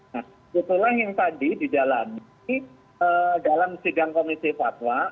nah itulah yang tadi dijalani dalam sidang komisi fatwa